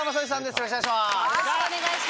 よろしくお願いします。